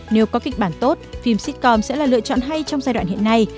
nếu có kịch bản tốt phim sitcom sẽ là lựa chọn hay trong giai đoạn hiện nay